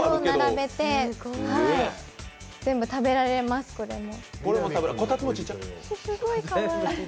全部食べられます、これも。